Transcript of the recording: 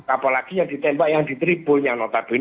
apalagi yang ditembak yang di tribun yang notabene